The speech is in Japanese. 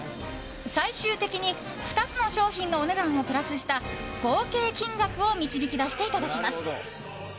最終的に２つの商品のお値段をプラスした合計金額を導き出していただきます。